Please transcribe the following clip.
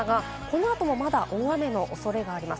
この後もまだ大雨のおそれがあります。